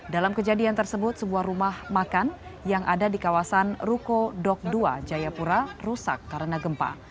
dalam kejadian tersebut sebuah rumah makan yang ada di kawasan ruko dok dua jayapura rusak karena gempa